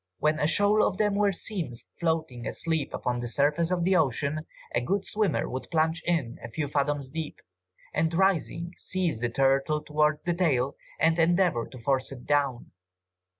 When a shoal of them were seen floating asleep upon the surface of the ocean, a good swimmer would plunge in a few fathoms deep, and rising, seize the turtle towards the tail, and endeavour to force it down.